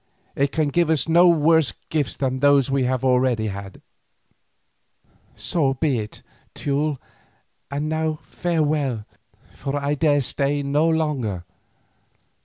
It can give us no worse gifts than those we have already." "So be it, Teule, and now farewell, for I dare stay no longer.